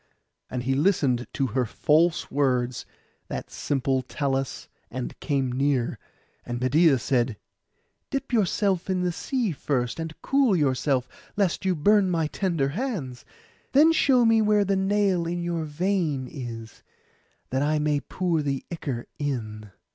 And he listened to her false words, that simple Talus, and came near; and Medeia said, 'Dip yourself in the sea first, and cool yourself, lest you burn my tender hands; then show me where the nail in your vein is, that I may pour the ichor in.